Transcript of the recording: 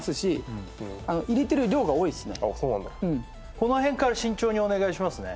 この辺から慎重にお願いしますね